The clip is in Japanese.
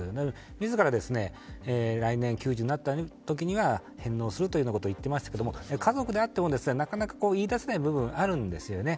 自ら来年９０になった時には返納すると言っていましたが家族であってもなかなか言い出せない部分があるんですよね。